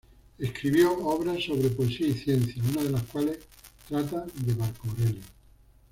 Escribió obras sobre poesía y ciencias, una de las cuales trata de Marco Aurelio.